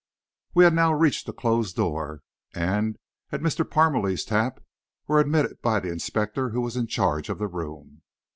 We had now reached a closed door, and, at Mr. Parmalee's tap, were admitted by the inspector who was in charge of the room.